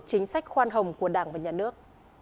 chính sách khoan hồng của đảng và nhà nước